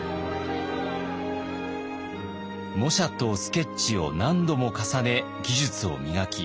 模写とスケッチを何度も重ね技術を磨き